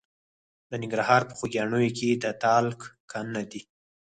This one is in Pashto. د ننګرهار په خوږیاڼیو کې د تالک کانونه دي.